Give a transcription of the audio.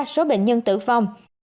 ba số bệnh nhân tử phong